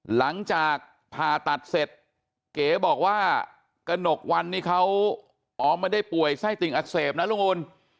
หลังจากผ่าตัดเสร็จเก๋บอกว่ากระหนกวันนี่เขาอ๋อไม่ได้ป่วยไส้ติ่งอักเสบนะลุงอุ่น